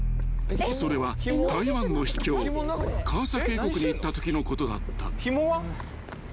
［それは台湾の秘境カーサ渓谷に行ったときのことだった］